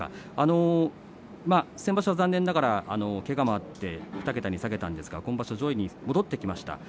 先場所、残念ながらけがもあって２桁に下げたんですが今場所上位に戻ってきました。